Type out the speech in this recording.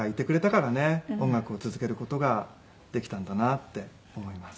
音楽を続ける事ができたんだなって思います。